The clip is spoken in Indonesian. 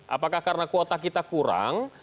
apakah karena kuota kita kurang